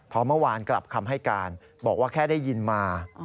พอเมื่อวานกลับคำให้การบอกว่าแค่ได้ยินมา